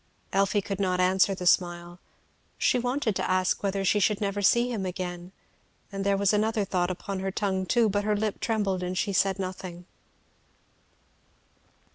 Elfie could not answer the smile. She wanted to ask whether she should never see him again, and there was another thought upon her tongue too; but her lip trembled and she said nothing.